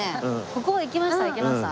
ここは行きました行きました。